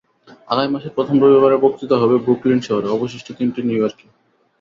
আগামী মাসের প্রথম রবিবারে বক্তৃতা হবে ব্রুকলিন শহরে, অবশিষ্ট তিনটি নিউ ইয়র্কে।